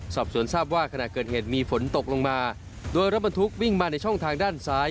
สอบสวนทราบว่าขณะเกิดเหตุมีฝนตกลงมาโดยรถบรรทุกวิ่งมาในช่องทางด้านซ้าย